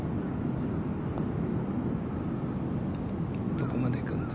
どこまで行くんだ。